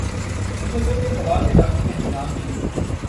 ان جگہوں پر ہوا کے داخلے کا انتظام بھی